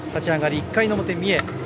１回の表、三重。